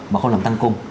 mà không làm tăng cung